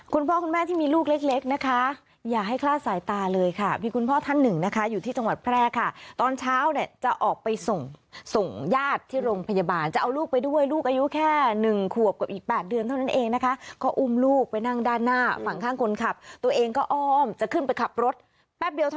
คุณพ่อคุณแม่ที่มีลูกเล็กเล็กนะคะอย่าให้คลาดสายตาเลยค่ะมีคุณพ่อท่านหนึ่งนะคะอยู่ที่จังหวัดแพร่ค่ะตอนเช้าเนี่ยจะออกไปส่งส่งญาติที่โรงพยาบาลจะเอาลูกไปด้วยลูกอายุแค่หนึ่งขวบกับอีก๘เดือนเท่านั้นเองนะคะก็อุ้มลูกไปนั่งด้านหน้าฝั่งข้างคนขับตัวเองก็อ้อมจะขึ้นไปขับรถแป๊บเดียว